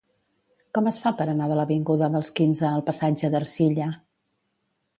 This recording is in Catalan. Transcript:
Com es fa per anar de l'avinguda dels Quinze al passatge d'Ercilla?